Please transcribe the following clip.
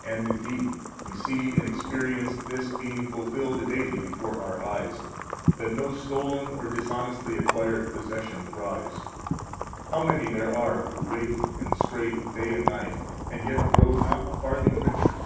243 And indeed, we see and experience this being fulfilled daily before our eyes, that no stolen or dishonestly acquired possession thrives. How many there are who rake and scrape day and night, and yet grow not a farthing richer!